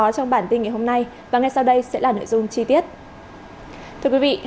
cảm ơn các bạn đã theo dõi